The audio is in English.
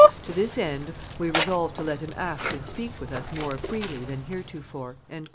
To this end, we resolved to let him act and speak with us more freely than heretofore."